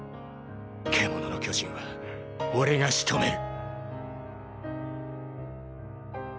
獣の巨人は俺が仕留める。